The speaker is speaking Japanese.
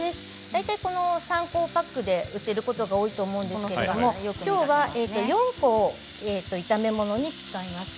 大体３本パックで売っていることが多いと思うんですけれどきょうは４本を炒め物に使います。